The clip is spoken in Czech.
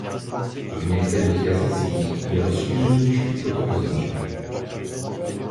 V některých jazycích je rozšířenější toto označení.